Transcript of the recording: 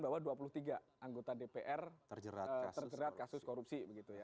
bahwa dua puluh tiga anggota dpr terjerat kasus korupsi